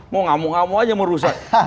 mau ngamuk ngamuk aja merusak